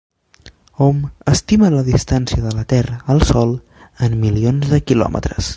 Hom estima la distància de la Terra al Sol en milions de quilòmetres.